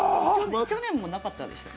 去年もなかったでしたっけ？